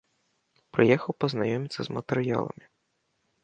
Прыехаў пазнаёміцца з матэрыяламі.